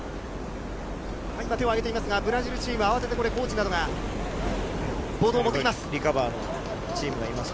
今、手を挙げていますが、ブラジルチームは慌ててコーチなどがボードを持っていきます。